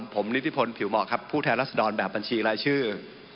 ผมนิติพลผิวเหมาะครับผู้แทนรัศดรแบบบัญชีรายชื่อ